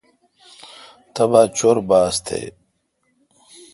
تبا چور باس تھی۔